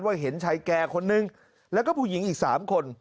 เห็นชายแก่คนนึงแล้วก็ผู้หญิงอีก๓คน